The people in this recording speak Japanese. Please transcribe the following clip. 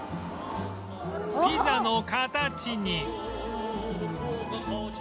ピザの形に